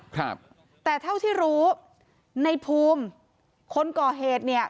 ครับแต่เท่าที่รู้ในภูมิคนก่อเหตุเนี่ย